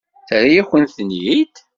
Terra-yakent-ten-id?